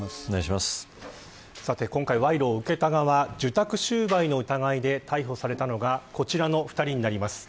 今回賄賂受けた側受託収賄の疑いで逮捕されたのがこちらの２人になります。